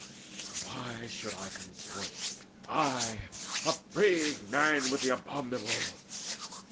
But why should I consort, I, a brave man, with the abominable?